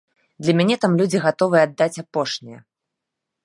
Для мяне там людзі гатовыя аддаць апошняе.